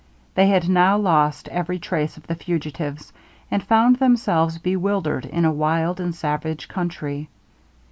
They had now lost every trace of the fugitives, and found themselves bewildered in a wild and savage country.